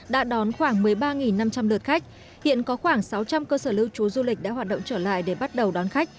đã đón khoảng một mươi ba năm trăm linh lượt khách hiện có khoảng sáu trăm linh cơ sở lưu trú du lịch đã hoạt động trở lại để bắt đầu đón khách